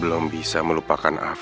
bella belum bisa melupakan afif